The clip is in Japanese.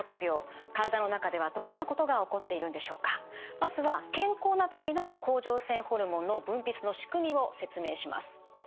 まずは健康な時の甲状腺ホルモンの分泌の仕組みを説明します。